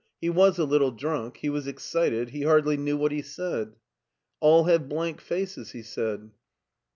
He was a little drunk, he was excited, he hardly knew what he said. " All have blank faces," he said.